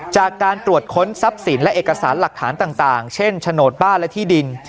จากการตรวจค้นทรัพย์สินและเอกสารหลักฐานต่างเช่นโฉนดบ้านและที่ดิน